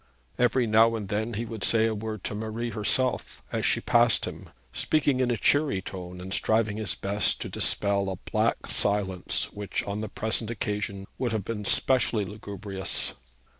Every now and then he would say a word to Marie herself, as she passed near him, speaking in a cheery tone and striving his best to dispel a black silence which on the present occasion would have been specially lugubrious.